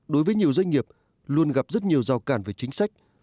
đối với nhiều doanh nghiệp luôn gặp rất nhiều rào cản về chính sách